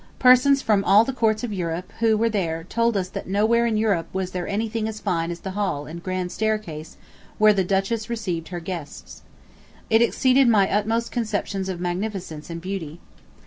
Persons from all the courts of Europe who were there told us that nowhere in Europe was there anything as fine as the hall and grand staircase where the Duchess received her guests. It exceeded my utmost conceptions of magnificence and beauty.